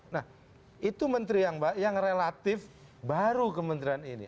nah itu menteri yang relatif baru kementerian ini